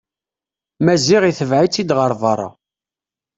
Maziɣ itbeɛ-itt-id ɣer berra.